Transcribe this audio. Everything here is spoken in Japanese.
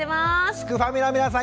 すくファミの皆さん